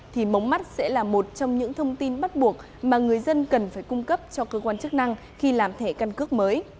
thì mống mắt sẽ là một trong những thông tin bắt buộc mà người dân cần phải cung cấp cho cơ quan chức năng khi làm thẻ căn cước mới